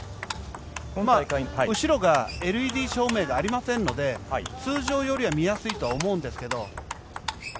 後ろがＬＥＤ照明がありませんので通常よりは見やすいと思うんですけど。